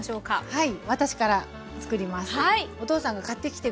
はい。